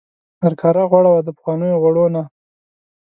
هرکاره غوړه وه د پخوانیو غوړو نه.